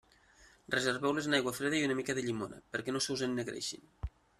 Reserveu-les en aigua freda i una mica de llimona, perquè no se us ennegreixin.